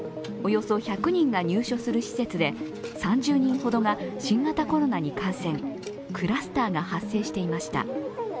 およそ１００人が入所する施設で３０人ほどが新型コロナに感染、クラスターが発生していました。